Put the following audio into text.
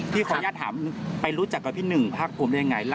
ที่ขออนุญาตถามไปรู้จักกับพี่หนึงภาคกรุมราย